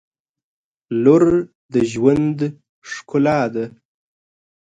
• لور د ژوند ښکلا ده.